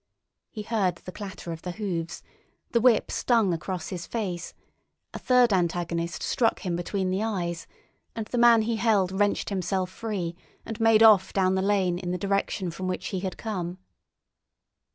He heard the clatter of hoofs, the whip stung across his face, a third antagonist struck him between the eyes, and the man he held wrenched himself free and made off down the lane in the direction from which he had come.